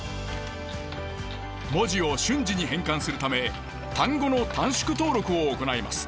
文字を瞬時に変換するため単語の短縮登録を行います。